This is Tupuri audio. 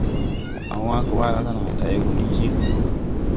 A wãã kebaala ga naa tay wo go ni je kluu.